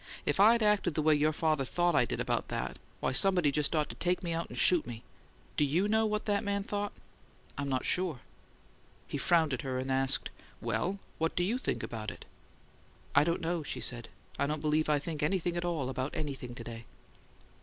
If I'd acted the way your father thought I did about that, why, somebody just ought to take me out and shoot me! Do YOU know what that man thought?" "I'm not sure." He frowned at her, and asked, "Well, what do you think about it?" "I don't know," she said. "I don't believe I think anything at all about anything to day."